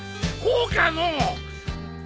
こうかのう。